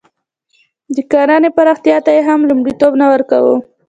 د کرنې پراختیا ته یې هم لومړیتوب نه ورکاوه.